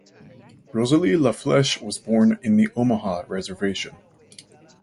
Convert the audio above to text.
Rosalie La Flesche was born in the Omaha reservation.